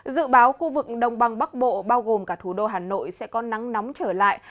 dự báo khu vực đông băng bắc bộ bao gồm cả thủ đô hà nội sẽ có nắng nóng trở lại